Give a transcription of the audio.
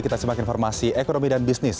kita simak informasi ekonomi dan bisnis